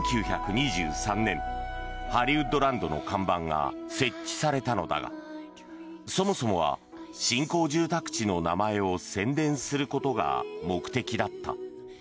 そして、１９２３年「ＨＯＬＬＹＷＯＯＤＬＡＮＤ」の看板が設置されたのだがそもそもは新興住宅地の名前を宣伝することが目的だった。